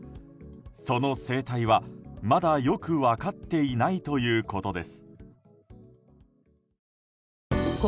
その生態はまだよく分かっていないということです。